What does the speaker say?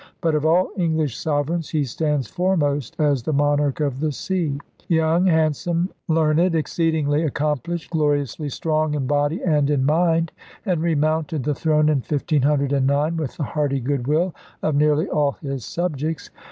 But of all English sovereigns he stands foremost as the monarch of the sea. Young, handsome, learned, exceedingly accomplished, gloriously strong in body and in mind, Henry mounted the throne in 1509 with the hearty good will of nearly all his subjects.